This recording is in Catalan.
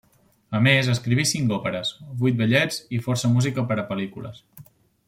A més, escriví cinc òperes, vuit ballets i força música per a pel·lícules.